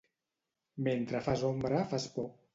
Mentre fas ombra, fas por.